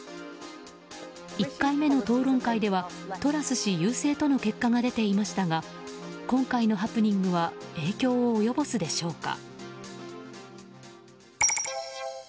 １回目の討論会ではトラス氏優勢との結果が出ていましたが今回のハプニングは影響を及ぼすでしょうか。